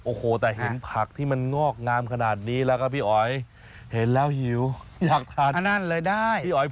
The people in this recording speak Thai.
โอ้โฮแต่เห็นผักที่มันงอกงามขนาดนี้แล้วก็พี่อ๋อย